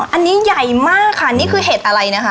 อันนี้ใหญ่มากค่ะนี่คือเห็ดอะไรนะคะ